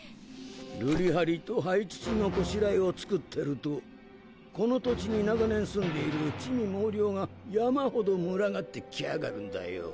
瑠璃玻璃と灰土の拵えを作ってるとこの土地に長年住んでいる魑魅魍魎が山ほど群がってきやがるんだよ。